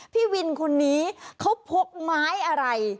พี่วินคนนี้เขาพกไม้อะไร